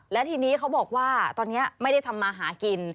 และทีนี้เขาบอกว่าตอนนี้ไม่ได้ทำมาหากิน